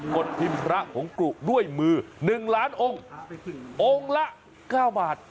ดพิมพ์พระหงกรุด้วยมือ๑ล้านองค์องค์ละ๙บาท